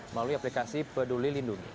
melalui aplikasi peduli lindungi